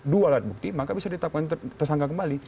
dua alat bukti maka bisa ditetapkan tersangka kembali